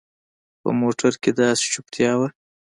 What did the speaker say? په موټر کښې داسې چوپتيا وه.